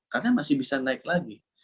karena masih bisa naik lagi